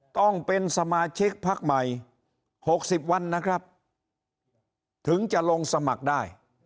ต้องเป็นสมาชิกพักใหม่๖๐วันนะครับถึงจะลงสมัครได้